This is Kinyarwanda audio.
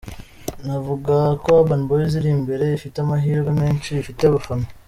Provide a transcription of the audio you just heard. Navuga ko Urban Boyz iri imbere, ifite amahirwe menshi, ifite abafana.